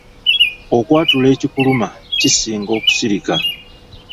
Okwatula ekikuluma kisinga okusirika.